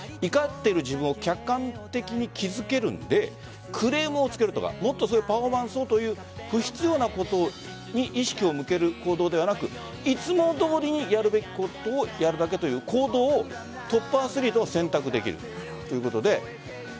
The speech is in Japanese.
怒っている自分を客観的に気付けるのでクレームをつけるとかもっとパフォーマンスをという不必要なことに意識を向ける行動ではなくいつもどおりにやるべきことをやるだけという行動をトップアスリートは選択できるということで。